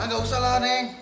enggak usah lah neng